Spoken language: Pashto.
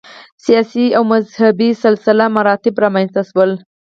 سیاسي او مذهبي سلسله مراتب رامنځته شول.